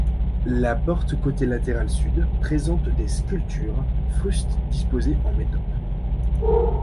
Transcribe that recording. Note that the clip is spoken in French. La porte côté latéral sud présente des sculptures frustes disposées en métope.